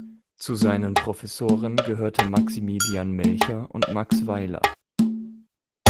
Zu seinen Professoren gehörte Maximilian Melcher und Max Weiler.